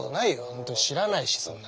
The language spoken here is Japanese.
本当に知らないしそんな。